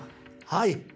はい。